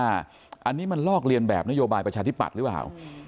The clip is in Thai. อันนี้มันลอกเรียนแบบนโยบายประชาธิปัตย์หรือเปล่า